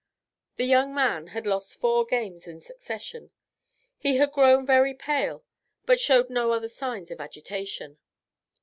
The young man had lost four games in succession; he had grown very pale, but showed no other signs of agitation.